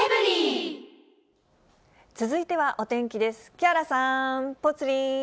続いてはお天気です。